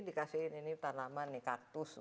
dikasih ini tanaman nih kaktus